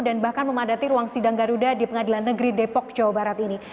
dan bahkan memadati ruang sidang garuda di pengadilan negeri depok jawa barat ini